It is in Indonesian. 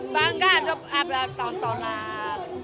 bangga ada tontonan